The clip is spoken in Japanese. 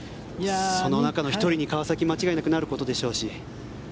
その中の１人に川崎は間違いなくなるでしょうし。